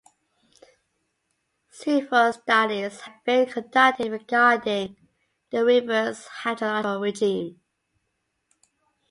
Several studies have been conducted regarding the river's hydrological regime.